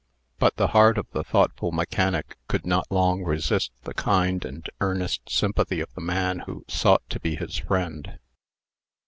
But the heart of the thoughtful mechanic could not long resist the kind and earnest sympathy of the man who sought to be his friend.